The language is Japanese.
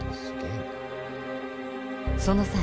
その際